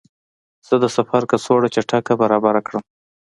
زه د سفر کڅوړه چټکه برابره کړم.